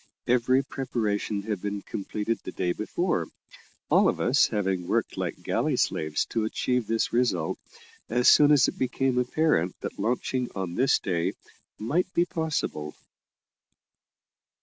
Every preparation had been completed the day before, all of us having worked like galley slaves to achieve this result, as soon as it became apparent that launching on this day might be possible.